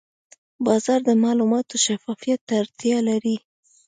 بازار د معلوماتو شفافیت ته اړتیا لري.